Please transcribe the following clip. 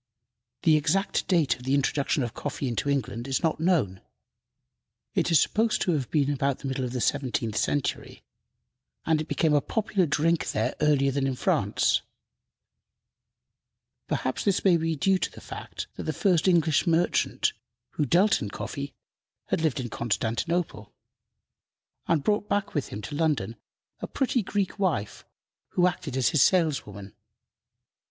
The exact date of the introduction of coffee into England is not known. It is supposed to have been about the middle of the seventeenth century, and it became a popular drink there earlier than in France. Perhaps this may be due to the fact that the first English merchant who dealt in coffee had lived in Constantinople, and brought back with him to London a pretty Greek wife, who acted as his saleswoman.